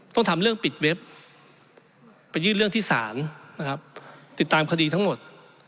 ต้องทำเรื่องปิดเว็บไปยื่นเรื่องที่ศาลนะครับติดตามคดีทั้งหมด